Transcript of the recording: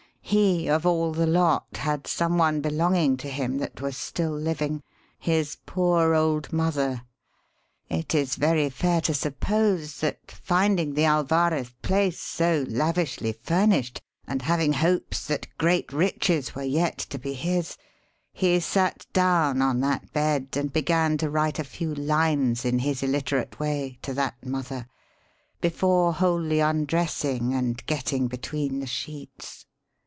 he of all the lot had some one belonging to him that was still living his poor old mother. It is very fair to suppose that, finding the Alvarez place so lavishly furnished, and having hopes that great riches were yet to be his, he sat down on that bed and began to write a few lines in his illiterate way to that mother before wholly undressing and getting between the sheets.